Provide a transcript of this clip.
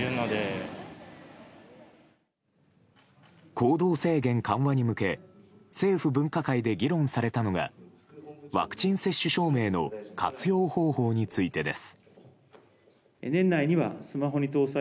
行動制限緩和に向け政府分科会で議論されたのがワクチン接種証明の活用方法についてです。